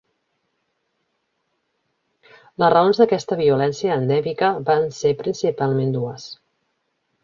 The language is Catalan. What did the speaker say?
Les raons d'aquesta violència endèmica van ser principalment dues.